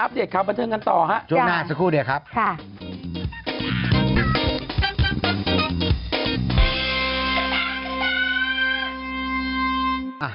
ไปต่อกับเรื่องน้ำแล่พิรเล่า